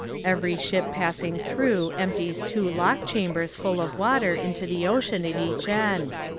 Every ship passing through empties two lock chambers full of water into the ocean at each end.